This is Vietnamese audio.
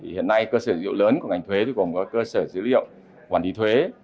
hiện nay cơ sở dữ liệu lớn của ngành thuế gồm có cơ sở dữ liệu quản lý thuế